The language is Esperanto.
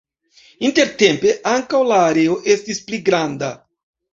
Intertempe ankaŭ la areo estis pli granda.